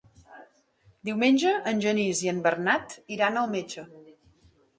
Diumenge en Genís i en Bernat iran al metge.